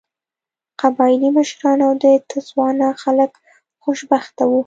قبایلي مشران او د تسوانا خلک خوشبخته وو.